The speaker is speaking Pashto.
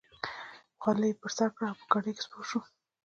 خولۍ یې پر سر کړه او په ګاډۍ کې سپور شو.